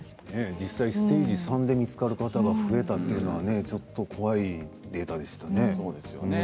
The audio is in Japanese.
実際ステージ３で見つかる方が増えたというのはちょっと怖いデータですね。